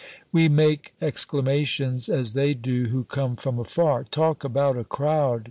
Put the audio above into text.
We make exclamations as they do who come from afar: "Talk about a crowd!"